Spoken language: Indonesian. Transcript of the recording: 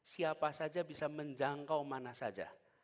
siapa saja bisa menjangkau mana saja